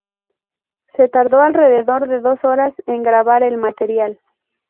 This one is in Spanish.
Se tardó alrededor de dos horas en grabar el material.